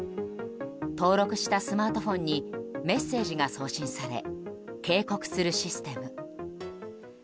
登録したスマートフォンにメッセージが送信され警告するシステム。